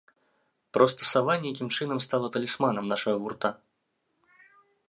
Проста сава нейкім чынам стала талісманам нашага гурта.